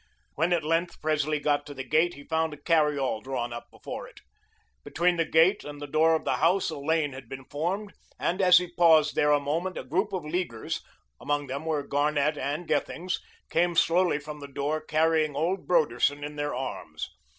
When, at length, Presley got to the gate, he found a carry all drawn up before it. Between the gate and the door of the house a lane had been formed, and as he paused there a moment, a group of Leaguers, among whom were Garnett and Gethings, came slowly from the door carrying old Broderson in their arms.